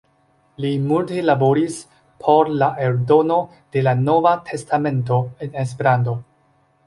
Li multe laboris por la eldono de la Nova testamento en Esperanto.